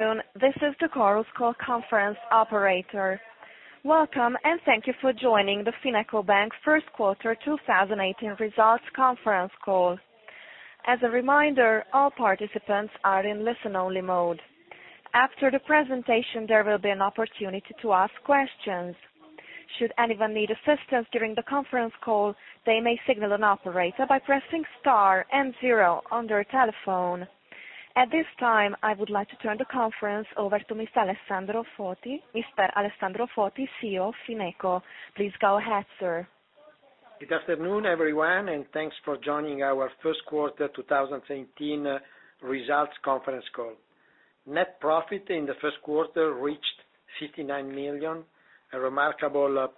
This is the Chorus Call conference operator. Welcome, and thank you for joining the FinecoBank first quarter 2018 results conference call. As a reminder, all participants are in listen-only mode. After the presentation, there will be an opportunity to ask questions. Should anyone need assistance during the conference call, they may signal an operator by pressing star and zero on their telephone. At this time, I would like to turn the conference over to Mr. Alessandro Foti, CEO of Fineco. Go ahead, sir. Good afternoon, everyone, and thanks for joining our first quarter 2018 results conference call. Net profit in the first quarter reached 59 million, a remarkable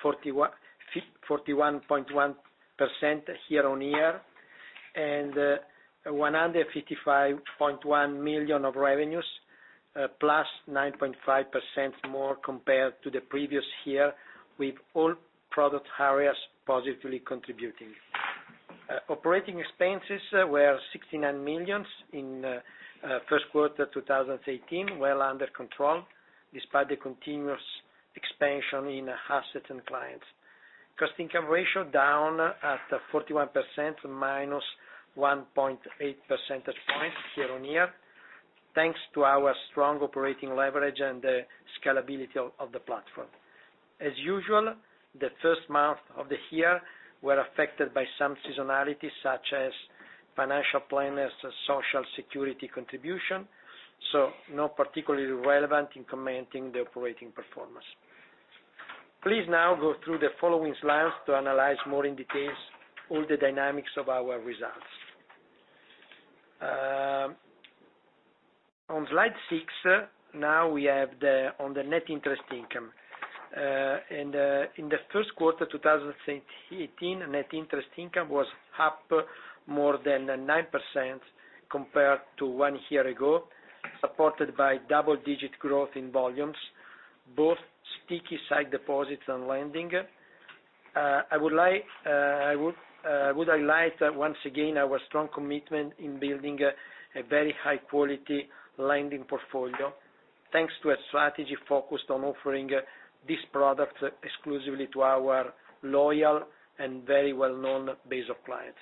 +41.1% year-on-year, and 155.1 million of revenues, +9.5% more compared to the previous year, with all product areas positively contributing. Operating expenses were 69 million in first quarter 2018, well under control despite the continuous expansion in assets and clients. Cost-income ratio down at 41%, -1.8 percentage points year-on-year, thanks to our strong operating leverage and the scalability of the platform. As usual, the first months of the year were affected by some seasonality, such as financial planners, social security contribution, so not particularly relevant in commenting the operating performance. Now go through the following slides to analyze more in details all the dynamics of our results. On slide six, now we have on the net interest income. In the first quarter 2018, net interest income was up more than 9% compared to one year ago, supported by double-digit growth in volumes, both sticky side deposits and lending. I would highlight once again our strong commitment in building a very high-quality lending portfolio, thanks to a strategy focused on offering this product exclusively to our loyal and very well-known base of clients.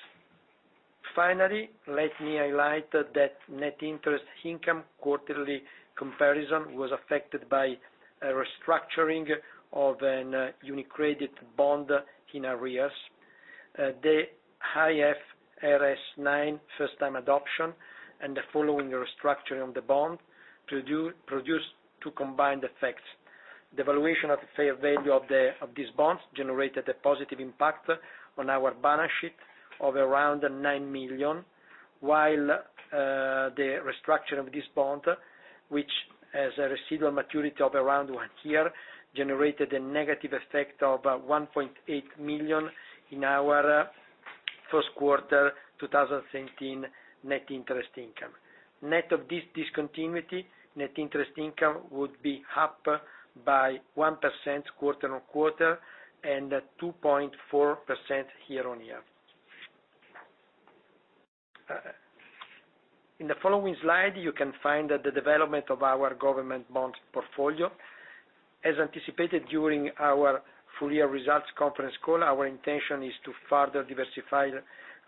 Finally, let me highlight that net interest income quarterly comparison was affected by a restructuring of a UniCredit bond in arrears. The IFRS 9 first-time adoption and the following restructuring of the bond produced two combined effects. The valuation at fair value of this bond generated a positive impact on our balance sheet of around 9 million, while the restructuring of this bond, which has a residual maturity of around one year, generated a negative effect of 1.8 million in our first quarter 2017 net interest income. Net of this discontinuity, net interest income would be up by 1% quarter-on-quarter and 2.4% year-on-year. In the following slide, you can find the development of our government bond portfolio. As anticipated during our full-year results conference call, our intention is to further diversify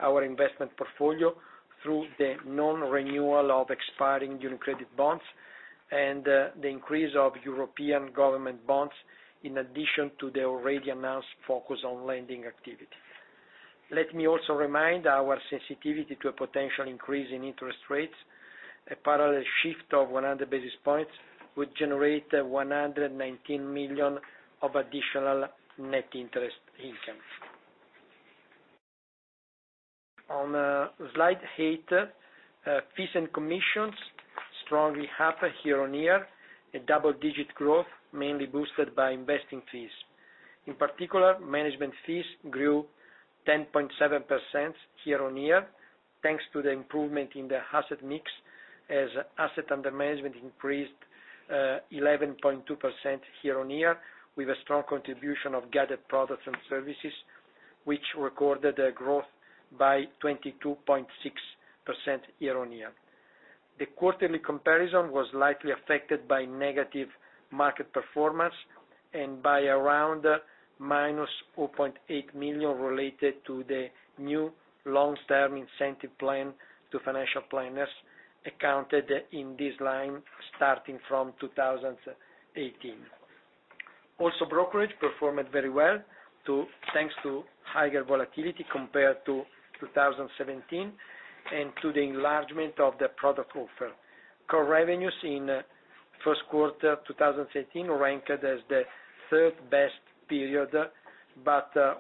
our investment portfolio through the non-renewal of expiring UniCredit bonds and the increase of European government bonds, in addition to the already announced focus on lending activity. Let me also remind our sensitivity to a potential increase in interest rates. A parallel shift of 100 basis points would generate 119 million of additional net interest income. On slide eight, fees and commissions strongly up year-on-year, a double-digit growth mainly boosted by investing fees. In particular, management fees grew 10.7% year-on-year, thanks to the improvement in the asset mix, as asset under management increased 11.2% year-on-year with a strong contribution of gathered products and services, which recorded a growth by 22.6% year-on-year. The quarterly comparison was slightly affected by negative market performance and by around minus 4.8 million related to the new long-term incentive plan to financial planners accounted in this line starting from 2018. Brokerage performed very well thanks to higher volatility compared to 2017 and to the enlargement of the product offer. Core revenues in first quarter 2018 ranked as the third best period.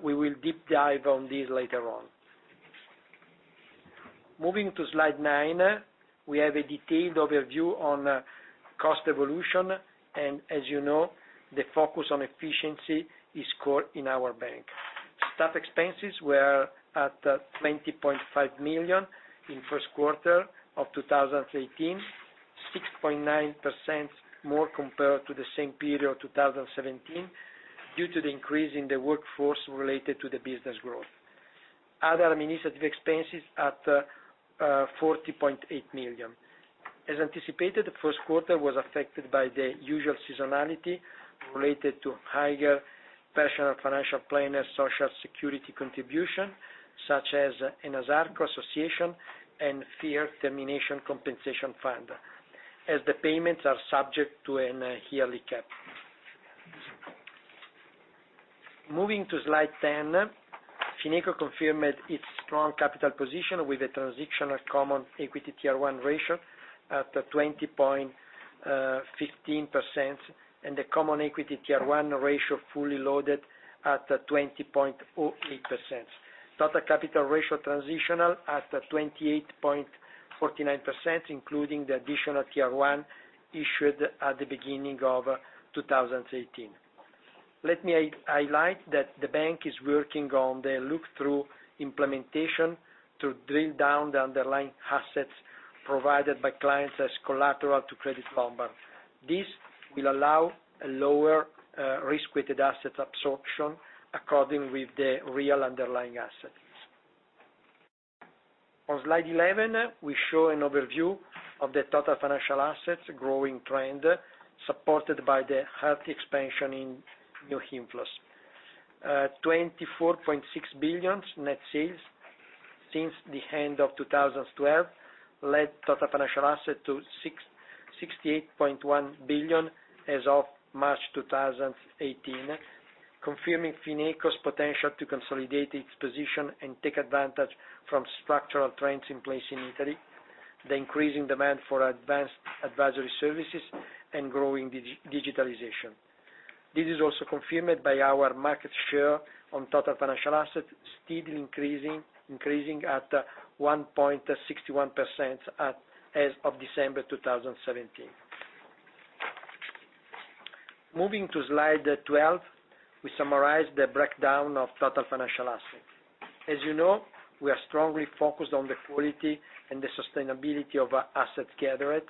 We will deep dive on this later on. Moving to slide nine, we have a detailed overview on cost evolution. As you know, the focus on efficiency is core in our bank. Staff expenses were at 20.5 million in first quarter of 2018, 6.9% more compared to the same period 2017 due to the increase in the workforce related to the business growth. Other administrative expenses at 40.8 million. As anticipated, the first quarter was affected by the usual seasonality related to higher professional financial planners' Social Security contribution, such as Enasarco association, and Fair Termination Compensation Fund, as the payments are subject to an yearly cap. Moving to slide 10, Fineco confirmed its strong capital position with a transitional Common Equity Tier 1 ratio at 20.15%, and the Common Equity Tier 1 ratio fully loaded at 20.08%. Total capital ratio transitional at 28.49%, including the Additional Tier 1 issued at the beginning of 2018. Let me highlight that the bank is working on the look-through implementation to drill down the underlying assets provided by clients as collateral to Credit Lombard. This will allow a lower risk-weighted asset absorption according with the real underlying assets. On slide 11, we show an overview of the total financial assets growing trend, supported by the healthy expansion in new inflows. 24.6 billion net sales since the end of 2012 led total financial asset to 68.1 billion as of March 2018, confirming Fineco's potential to consolidate its position and take advantage from structural trends in place in Italy, the increasing demand for advanced advisory services, and growing digitalization. This is also confirmed by our market share on total financial assets still increasing at 1.61% as of December 2017. Moving to slide 12, we summarize the breakdown of total financial assets. As you know, we are strongly focused on the quality and the sustainability of our assets gathered.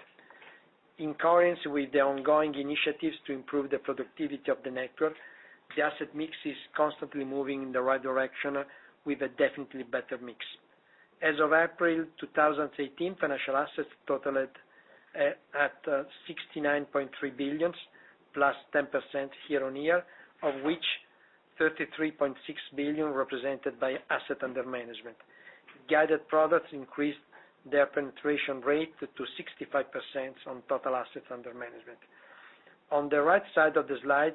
In concurrence with the ongoing initiatives to improve the productivity of the network, the asset mix is constantly moving in the right direction with a definitely better mix. As of April 2018, financial assets totaled at 69.3 billion, plus 10% year-on-year, of which 33.6 billion represented by assets under management. Gathered products increased their penetration rate to 65% on total assets under management. On the right side of the slide,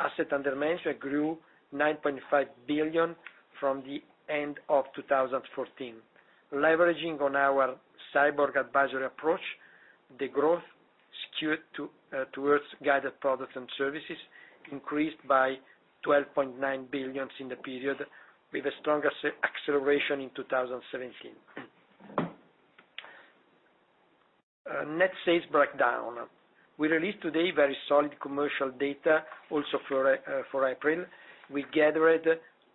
assets under management grew 9.5 billion from the end of 2014. Leveraging on our cyborg advisory approach, the growth skewed towards gathered products and services increased by 12.9 billion in the period, with a stronger acceleration in 2017. Net sales breakdown. We released today very solid commercial data also for April. We gathered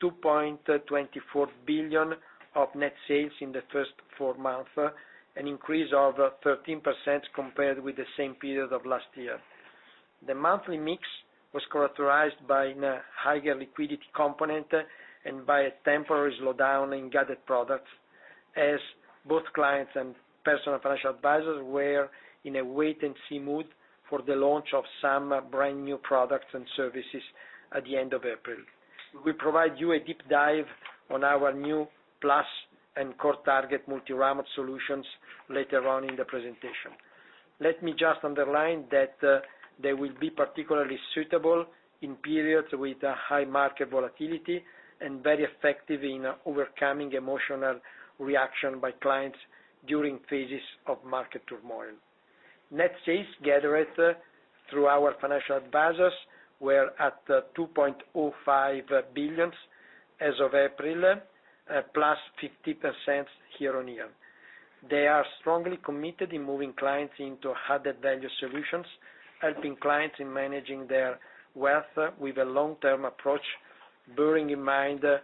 2.24 billion of net sales in the first four months, an increase of 13% compared with the same period of last year. The monthly mix was characterized by higher liquidity component and by a temporary slowdown in gathered products, as both clients and personal financial advisors were in a wait-and-see mood for the launch of some brand-new products and services at the end of April. We provide you a deep dive on our new Plus and Core Target Multiramo solutions later on in the presentation. Let me just underline that they will be particularly suitable in periods with high market volatility, and very effective in overcoming emotional reaction by clients during phases of market turmoil. Net sales gathered through our financial advisors were at 2.05 billion as of April, +50% year-on-year. They are strongly committed in moving clients into added-value solutions, helping clients in managing their wealth with a long-term approach, bearing in mind the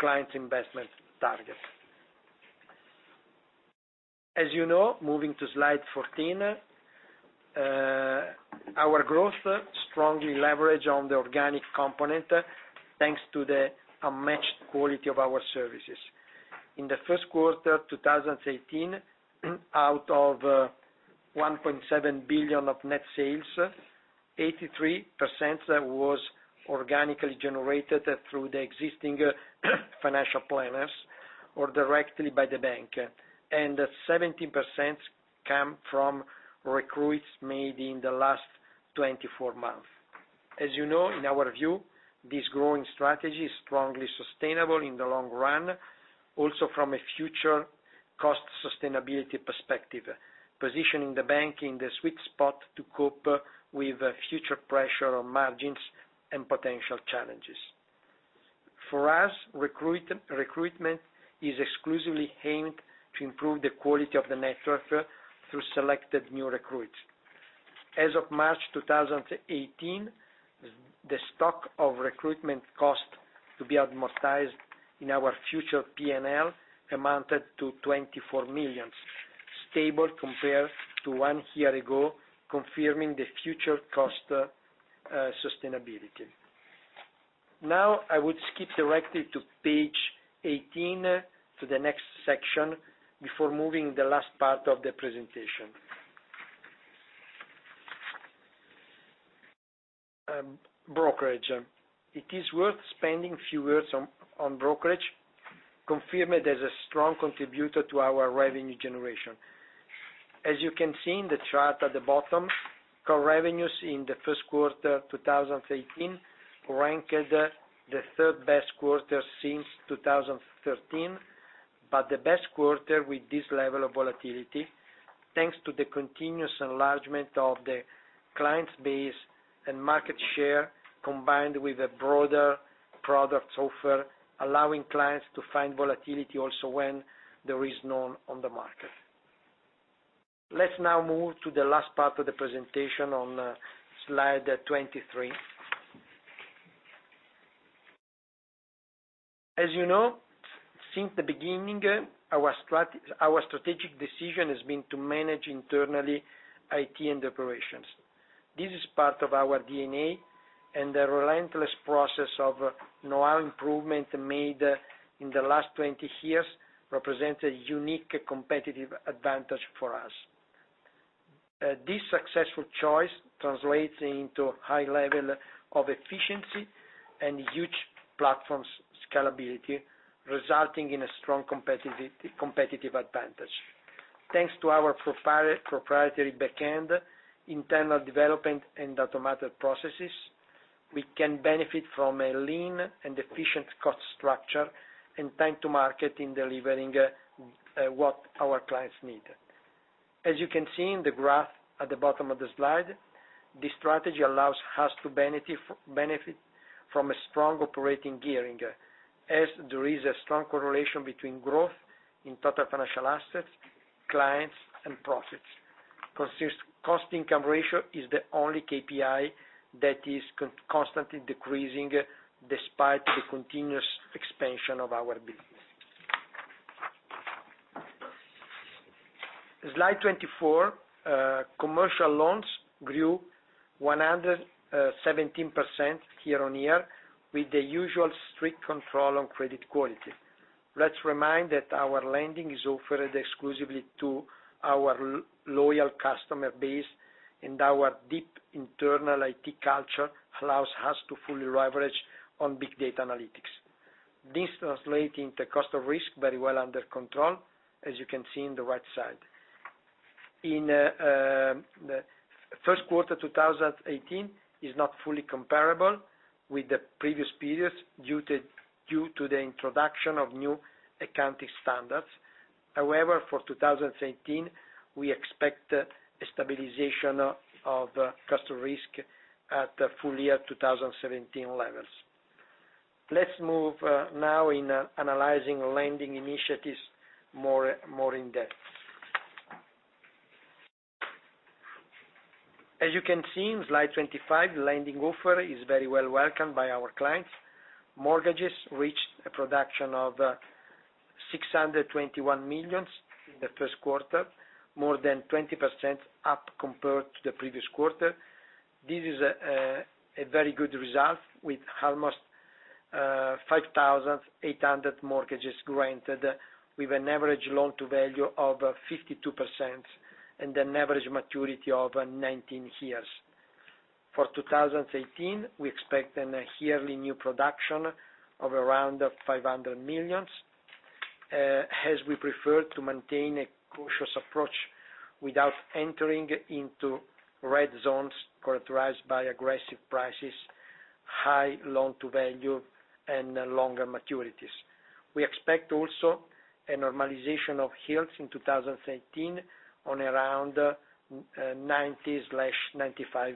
client's investment target. As you know, moving to slide 14, our growth strongly leverage on the organic component, thanks to the unmatched quality of our services. In the first quarter 2018, out of 1.7 billion of net sales, 83% was organically generated through the existing financial planners or directly by the bank, and 17% came from recruits made in the last 24 months. As you know, in our view, this growing strategy is strongly sustainable in the long run, also from a future cost sustainability perspective, positioning the bank in the sweet spot to cope with future pressure on margins and potential challenges. For us, recruitment is exclusively aimed to improve the quality of the network through selected new recruits. As of March 2018, the stock of recruitment cost to be amortized in our future P&L amounted to 24 million. Stable compared to one year ago, confirming the future cost sustainability. I would skip directly to page 18, to the next section, before moving the last part of the presentation. Brokerage. It is worth spending a few words on brokerage, confirmed as a strong contributor to our revenue generation. As you can see in the chart at the bottom, core revenues in the first quarter 2018 ranked the third-best quarter since 2013, but the best quarter with this level of volatility, thanks to the continuous enlargement of the client base and market share, combined with a broader product offer, allowing clients to find volatility also when there is none on the market. Let's now move to the last part of the presentation on Slide 23. As you know, since the beginning, our strategic decision has been to manage internally IT and operations. This is part of our DNA, and the relentless process of know-how improvement made in the last 20 years represents a unique competitive advantage for us. This successful choice translates into a high level of efficiency and huge platform scalability, resulting in a strong competitive advantage. Thanks to our proprietary back end, internal development, and automated processes, we can benefit from a lean and efficient cost structure and time to market in delivering what our clients need. As you can see in the graph at the bottom of the slide, this strategy allows us to benefit from a strong operating gearing, as there is a strong correlation between growth in total financial assets, clients, and profits. cost-income ratio is the only KPI that is constantly decreasing despite the continuous expansion of our business. Slide 24, commercial loans grew 117% year-on-year with the usual strict control on cost of risk. Let's remind that our lending is offered exclusively to our loyal customer base, and our deep internal IT culture allows us to fully leverage on big data analytics. This translates into cost of risk very well under control, as you can see in the right side. First quarter 2018 is not fully comparable with the previous periods due to the introduction of new accounting standards. However, for 2018, we expect a stabilization of cost of risk at full year 2017 levels. Let's move now into analyzing lending initiatives more in depth. As you can see in Slide 25, the lending offer is very well welcomed by our clients. Mortgages reached a production of 621 million in the first quarter, more than 20% up compared to the previous quarter. This is a very good result, with almost 5,800 mortgages granted, with an average loan-to-value of 52% and an average maturity of 19 years. For 2018, we expect a yearly new production of around 500 million, as we prefer to maintain a cautious approach without entering into red zones characterized by aggressive prices, high loan-to-value, and longer maturities. We expect also a normalization of yields in 2018 on around 90-95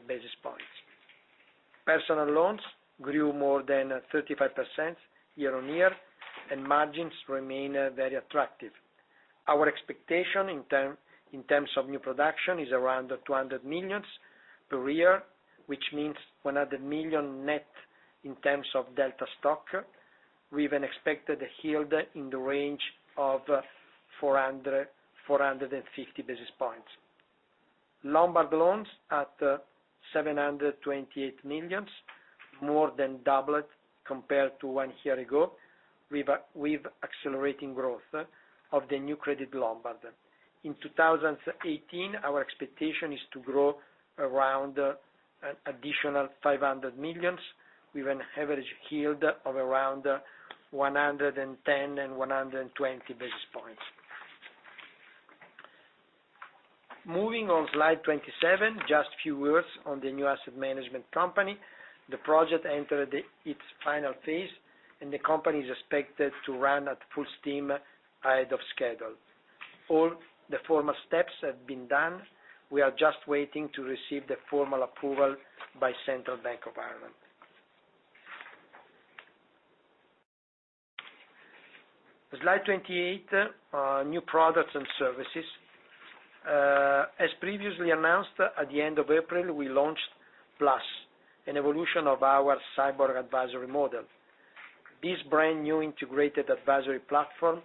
basis points. Personal loans grew more than 35% year-on-year, and margins remain very attractive. Our expectation in terms of new production is around 200 million per year, which means 100 million net in terms of delta stock, with an expected yield in the range of 400-450 basis points. Lombard loans at 728 million, more than doubled compared to one year ago with accelerating growth of the new credit lombard. In 2018, our expectation is to grow around an additional 500 million with an average yield of around 110-120 basis points. Moving on Slide 27, just a few words on the new asset management company. The project entered its final phase, and the company is expected to run at full steam ahead of schedule. All the formal steps have been done. We are just waiting to receive the formal approval by Central Bank of Ireland. Slide 28, new products and services. As previously announced, at the end of April, we launched Plus, an evolution of our cyborg advisory model. This brand new integrated advisory platform,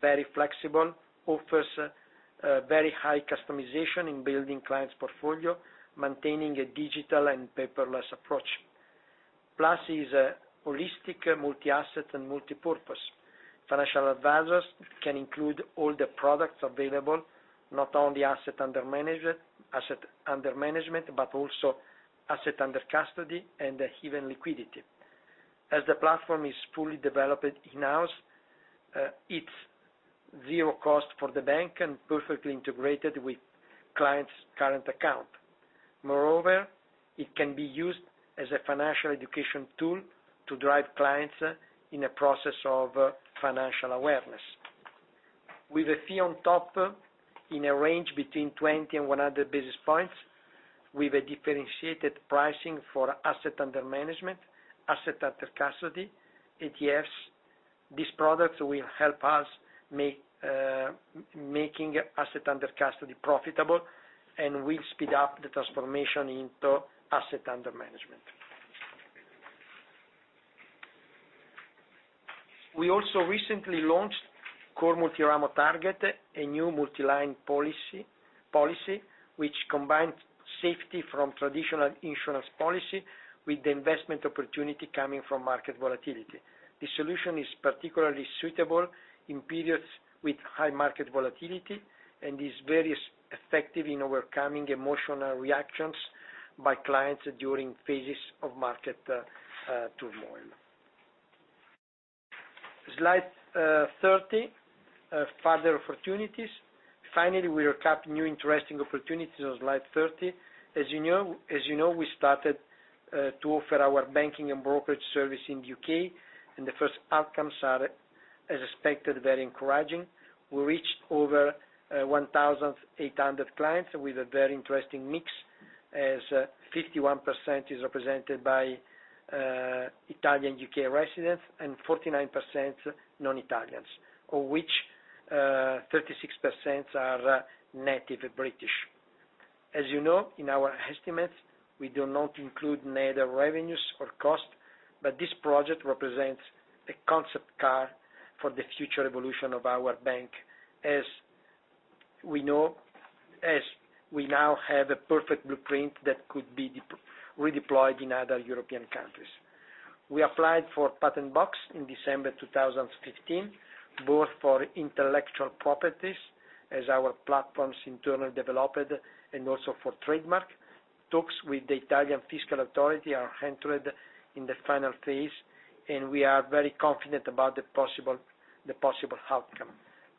very flexible, offers very high customization in building clients' portfolio, maintaining a digital and paperless approach. Plus, it is a holistic multi-asset and multi-purpose. Financial advisors can include all the products available, not only asset under management, but also asset under custody and even liquidity. As the platform is fully developed in-house, it's zero cost for the bank and perfectly integrated with clients' current account. Moreover, it can be used as a financial education tool to drive clients in a process of financial awareness. With a fee on top in a range between 20-100 basis points, with a differentiated pricing for asset under management, asset under custody, ETFs. These products will help us making asset under custody profitable and will speed up the transformation into asset under management. We also recently launched Core Multiramo Target, a new multi-line policy which combines safety from traditional insurance policy with the investment opportunity coming from market volatility. This solution is particularly suitable in periods with high market volatility and is very effective in overcoming emotional reactions by clients during phases of market turmoil. Slide 30, further opportunities. Finally, we recap new interesting opportunities on slide 30. As you know, we started to offer our banking and brokerage service in the U.K., and the first outcomes are, as expected, very encouraging. We reached over 1,800 clients with a very interesting mix, as 51% is represented by Italian U.K. residents and 49% non-Italians, of which 36% are native British. As you know, in our estimates, we do not include neither revenues or cost. This project represents the concept car for the future evolution of our bank, as we now have a perfect blueprint that could be redeployed in other European countries. We applied for Patent Box in December 2015, both for intellectual properties as our platforms internally developed and also for trademark. Talks with the Italian fiscal authority are entered in the final phase. We are very confident about the possible outcome.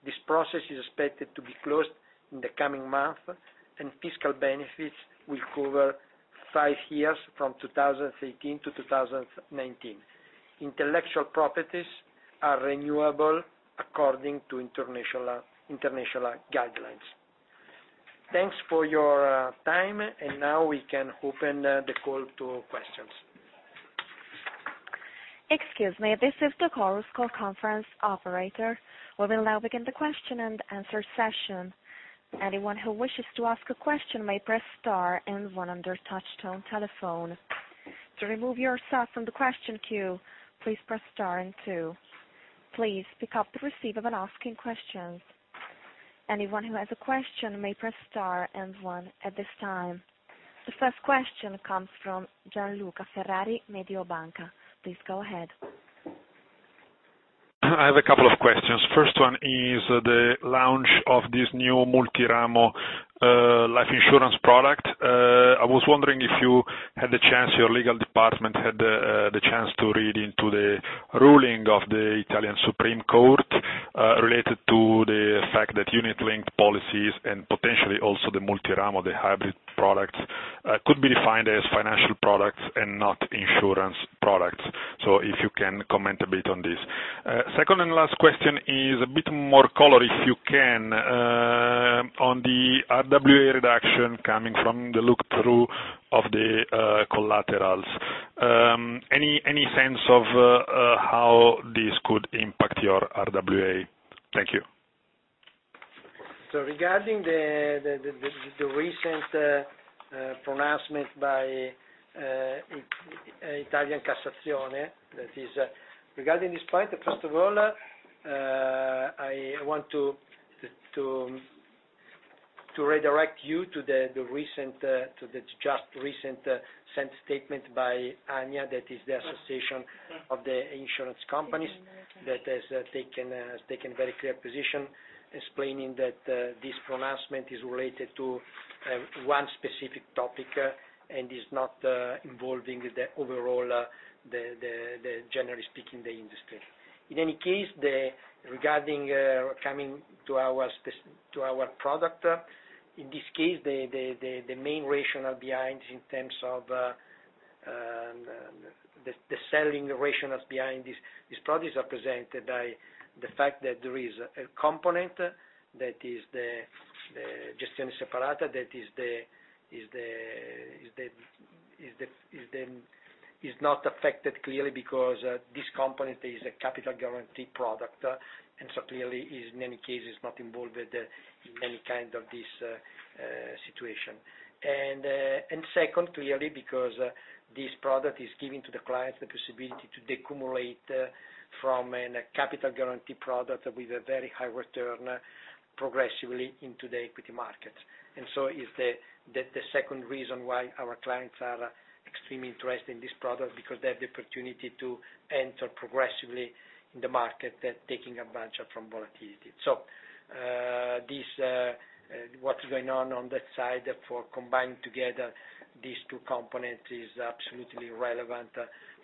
This process is expected to be closed in the coming month. Fiscal benefits will cover five years from 2018 to 2019. Intellectual properties are renewable according to international guidelines. Thanks for your time. Now we can open the call to questions. Excuse me, this is the Chorus Call conference operator. We will now begin the question-and-answer session. Anyone who wishes to ask a question may press star and one on their touchtone telephone. To remove yourself from the question queue, please press star and two. Please pick up the receiver when asking questions. Anyone who has a question may press star and one at this time. The first question comes from Gian Luca Ferrari, Mediobanca. Please go ahead. I have a couple of questions. First one is the launch of this new Multiramo life insurance product. I was wondering if your legal department had the chance to read into the ruling of the Italian Supreme Court related to the fact that unit-linked policies and potentially also the Multiramo, the hybrid products, could be defined as financial products and not insurance products. If you can comment a bit on this. Second and last question is a bit more color, if you can, on the RWA reduction coming from the look-through of the collaterals. Any sense of how this could impact your RWA? Thank you. Regarding the recent pronouncement by Italian Cassazione, that is regarding this point, first of all, I want to redirect you to the just recent statement by ANIA, that is the association of the insurance companies, that has taken very clear position, explaining that this pronouncement is related to one specific topic and is not involving generally speaking, the industry. In any case, regarding coming to our product, in this case, the main rationale behind in terms of the selling rationales behind these products are presented by the fact that there is a component that is the gestione separata, that is not affected clearly because this component is a capital guaranteed product, and so clearly is in many cases not involved in any kind of this situation. Second, clearly, because this product is giving to the clients the possibility to de-accumulate from a capital guaranteed product with a very high return progressively into the equity market. Is the second reason why our clients are extremely interested in this product, because they have the opportunity to enter progressively in the market, taking advantage from volatility. What's going on on that side for combining together these two components is absolutely relevant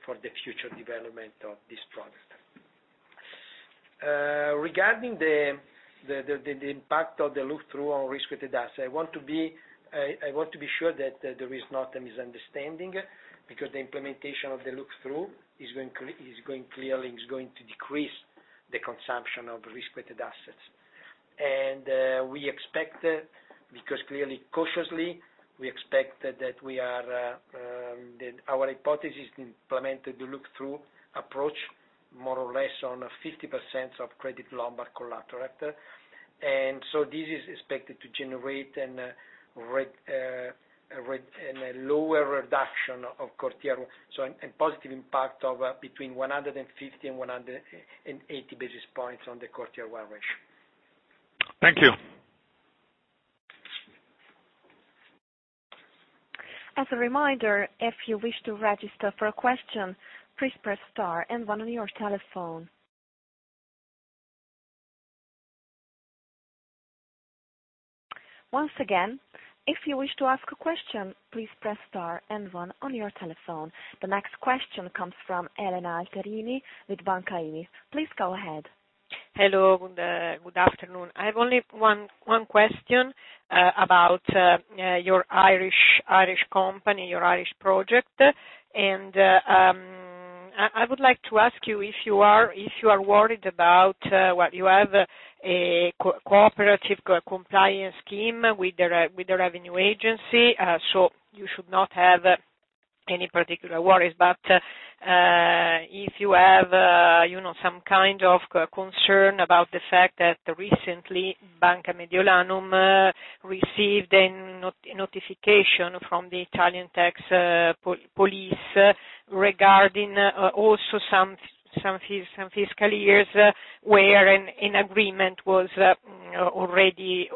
for the future development of this product. Regarding the impact of the look-through on risk-weighted assets, I want to be sure that there is not a misunderstanding, because the implementation of the look-through is going to decrease the consumption of risk-weighted assets. We expect, because clearly cautiously, we expect that our hypothesis implemented the look-through approach more or less on 50% of credit lombard collateral. This is expected to generate a lower reduction of core tier. A positive impact of between 150 and 180 basis points on the core tier one ratio. Thank you. As a reminder, if you wish to register for a question, please press star and one on your telephone. Once again, if you wish to ask a question, please press star and one on your telephone. The next question comes from Elena Perini with Banca IMI. Please go ahead. Hello, good afternoon. I have only one question about your Irish company, your Irish project. I would like to ask you if you are worried about, well, you have a Cooperative Compliance scheme with the Revenue Agency, so you should not have any particular worries, but if you have some kind of concern about the fact that recently Banca Mediolanum received a notification from the Italian tax police regarding also some fiscal years where an agreement was already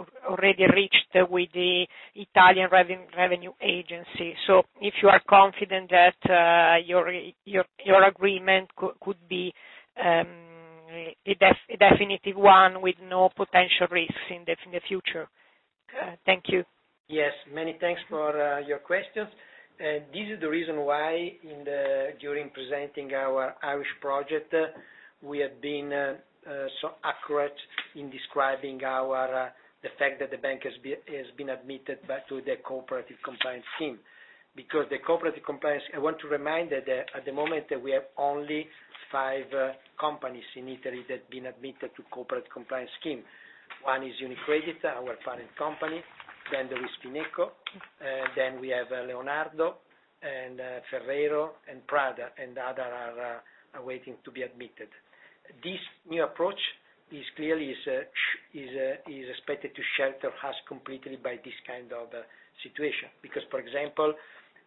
reached with the Italian Revenue Agency. If you are confident that your agreement could be a definitive one with no potential risks in the future. Thank you. Yes, many thanks for your questions. This is the reason why during presenting our Irish project, we have been so accurate in describing the fact that the bank has been admitted back to the Cooperative Compliance scheme. The Cooperative Compliance, I want to remind that at the moment, we have only five companies in Italy that have been admitted to Cooperative Compliance scheme. One is UniCredit, our parent company, then there is Fineco, then we have Leonardo and Ferrero and Prada, and other are waiting to be admitted. This new approach is clearly expected to shelter us completely by this kind of situation. For example,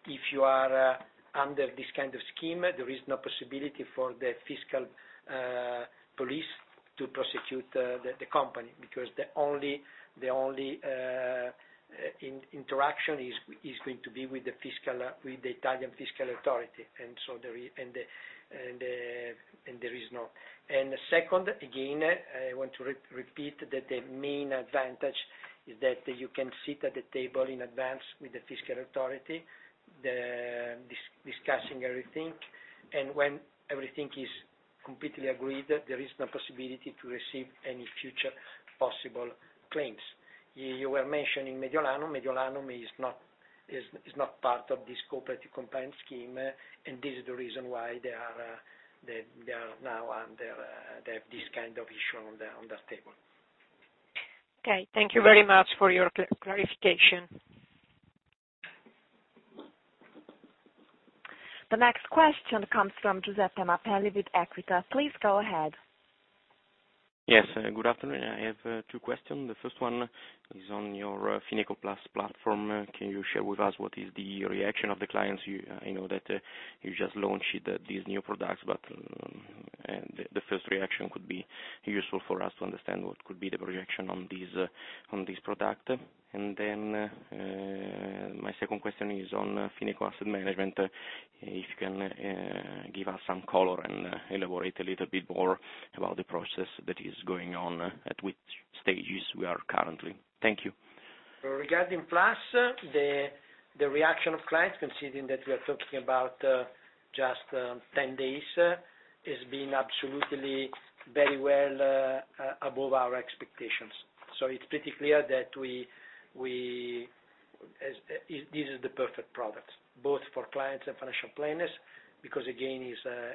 if you are under this kind of scheme, there is no possibility for the fiscal police to prosecute the company, because the only interaction is going to be with the Italian Fiscal Authority. Second, again, I want to repeat that the main advantage is that you can sit at the table in advance with the Fiscal Authority, discussing everything, and when everything is completely agreed, there is no possibility to receive any future possible claims. You were mentioning Mediolanum. Mediolanum is not part of this Cooperative Compliance scheme, this is the reason why they have this kind of issue on the table. Okay. Thank you very much for your clarification. The next question comes from Giuseppe Mapelli with Equita. Please go ahead. Yes. Good afternoon. I have two questions. The first one is on your Fineco Plus platform. Can you share with us what is the reaction of the clients? I know that you just launched these new products, but the first reaction could be useful for us to understand what could be the reaction on this product. My second question is on Fineco Asset Management. If you can give us some color and elaborate a little bit more about the process that is going on, at which stages we are currently. Thank you. Regarding Plus, the reaction of clients, considering that we are talking about just 10 days, is been absolutely very well above our expectations. It's pretty clear that this is the perfect product, both for clients and financial planners, because again,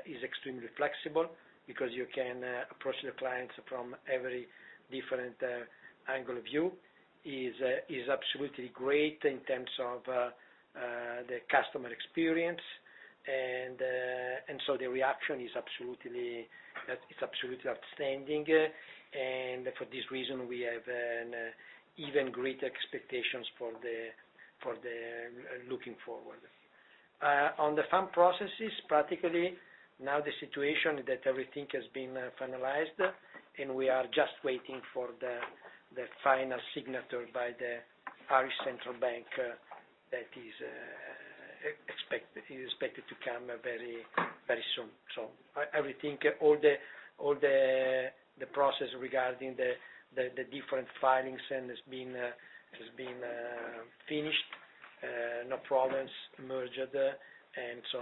it's extremely flexible because you can approach your clients from every different angle of view. It is absolutely great in terms of the customer experience. The reaction is absolutely outstanding. For this reason, we have even greater expectations looking forward. On the fund processes, practically, now the situation that everything has been finalized, and we are just waiting for the final signature by the Central Bank of Ireland that is expected to come very soon. Everything, all the process regarding the different filings has been finished. No problems emerged.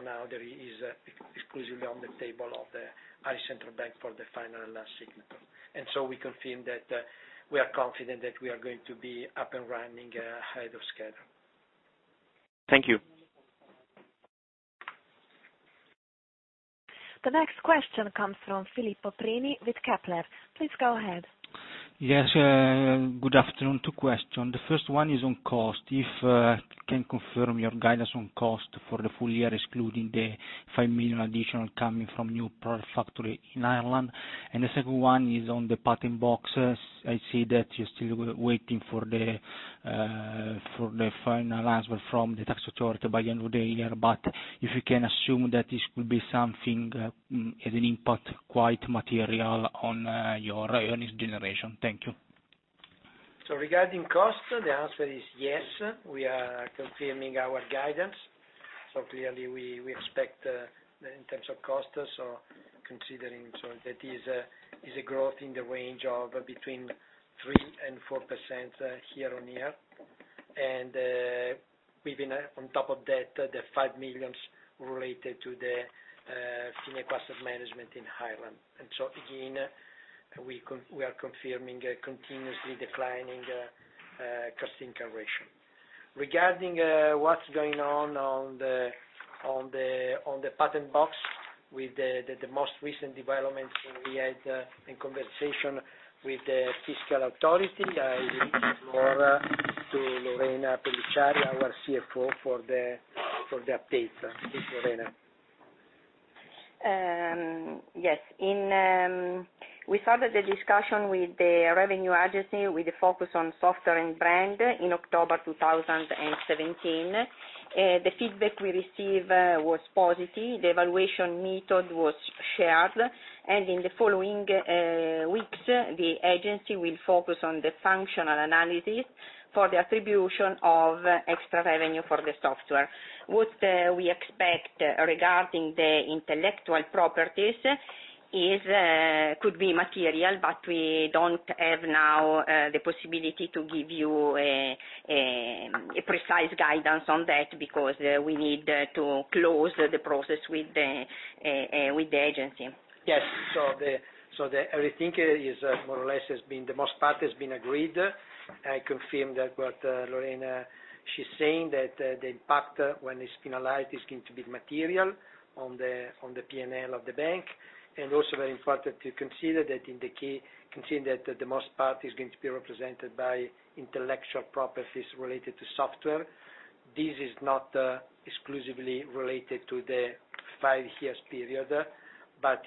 Now that is exclusively on the table of the Central Bank of Ireland for the final last signature. We confirm that we are confident that we are going to be up and running ahead of schedule. Thank you. The next question comes from Filippo Prini with Kepler Cheuvreux. Please go ahead. Yes. Good afternoon. Two question. The first one is on cost. If you can confirm your guidance on cost for the full year, excluding the 5 million additional coming from new product factory in Ireland. The second one is on the Patent Box. I see that you're still waiting for the final answer from the tax authority by end of the year, if you can assume that this will be something as an impact quite material on your earnings generation. Thank you. Regarding cost, the answer is yes. We are confirming our guidance. Clearly, we expect in terms of cost, considering that is a growth in the range of between 3%-4% year-on-year. We've been on top of that, the 5 million related to the Fineco Asset Management in Ireland. Again, we are confirming a continuously declining cost-income ratio. Regarding what's going on the Patent Box with the most recent developments, we had a conversation with the fiscal authority. I leave more to Lorena Pelliciari, our CFO, for the update. Please, Lorena. Yes. We started the discussion with the Revenue Agency with the focus on software and brand in October 2017. The feedback we received was positive. The evaluation method was shared. In the following weeks, the agency will focus on the functional analysis for the attribution of extra revenue for the software. What we expect regarding the intellectual properties could be material, we don't have now the possibility to give you a precise guidance on that because we need to close the process with the agency. Yes. Everything more or less the most part has been agreed. I confirm that what Lorena, she's saying that the impact when it's finalized is going to be material on the P&L of the bank. Also very important to consider that the most part is going to be represented by intellectual properties related to software. This is not exclusively related to the 5 years period,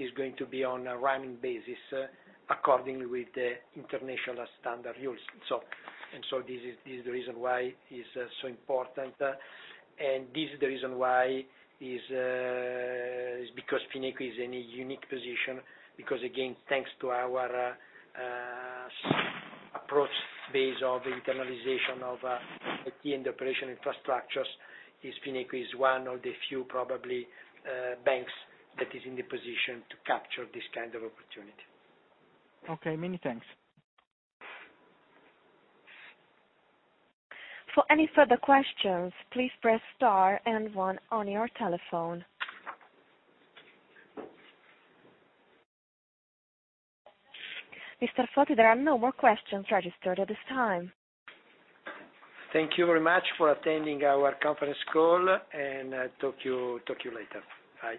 is going to be on a running basis accordingly with the international standard rules. This is the reason why it's so important, this is the reason why is because Fineco is in a unique position because again, thanks to our approach base of internalization of IT and operation infrastructures, Fineco is one of the few, probably, banks that is in the position to capture this kind of opportunity. Okay. Many thanks. For any further questions, please press star and one on your telephone. Mr. Foti, there are no more questions registered at this time. Thank you very much for attending our conference call, talk to you later. Bye.